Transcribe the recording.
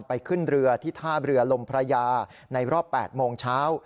ขึ้นเรือที่ท่าเรือลมพระยาในรอบ๘โมงเช้า